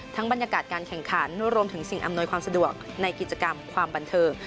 บรรยากาศการแข่งขันรวมถึงสิ่งอำนวยความสะดวกในกิจกรรมความบันเทิง